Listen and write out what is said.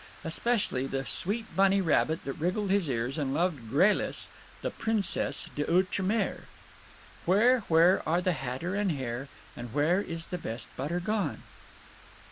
Especially the sweet bunny rabbit that wriggled his ears and loved Gralice, the princesse d'outre mer. "Where, where are the hatter and hare, And where is the best butter gone?"